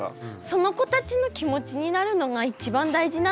その子たちの気持ちになるのが一番大事なんだなと思って。